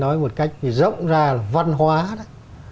nói một cách rộng ra là văn hóa đó